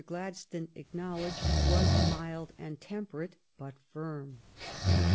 Gladstone acknowledged was '' mild and temperate but firm."